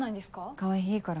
川合いいから。